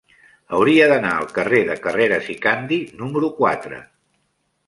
Hauria d'anar al carrer de Carreras i Candi número quatre.